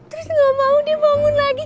terus gak mau dibangun lagi